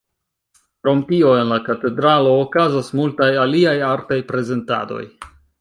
Krom tio en la katedralo okazas multaj aliaj artaj prezentadoj.